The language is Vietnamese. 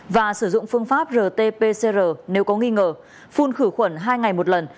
và sử dụng phương pháp rt pcr nếu có nghi ngờ phun khử khuẩn hai ngày một lần